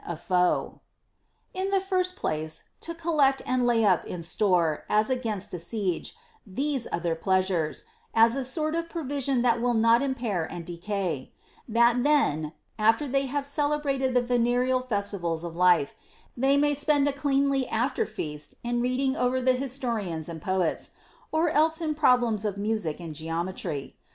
Aeolus, Frag. 23. 176 PLEASLRE NOT ATTAINABLE in the first place to collect and lay up in store, as against a siege, these other pleasures, as a sort of provision that will not impair and decay ; that then, after they have celebrated the venereal festivals of life, they may spend a cleanly after feast in reading over the historians and poets, or else in problems of music and geometry.